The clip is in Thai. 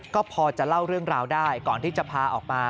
ก็พอจะเล่าเรื่องราวได้ก่อนที่จะพาออกมา